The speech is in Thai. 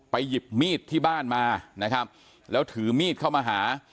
หยิบมีดที่บ้านมานะครับแล้วถือมีดเข้ามาหา